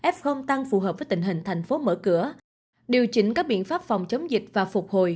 f tăng phù hợp với tình hình thành phố mở cửa điều chỉnh các biện pháp phòng chống dịch và phục hồi